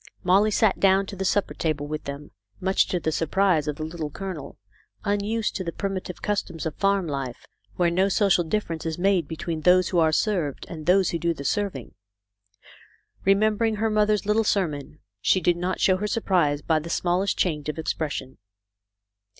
Molly sat down to the supper table with them, much to the surprise of the Little Colonel, unused to the primitive customs of farm life, where no social difference is made between those who are served and those who do the serving. Remembering her mother's little sermon, she did not show her surprise by the small est change of expression.